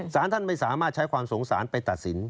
สารท่านไม่สามารถใช้ความสงสารไปตัดสิน